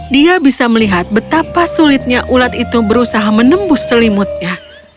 dia bisa melihat betapa sulitnya ulat itu berusaha menembus selimutnya